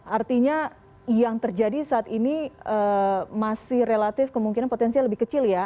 artinya yang terjadi saat ini masih relatif kemungkinan potensinya lebih kecil ya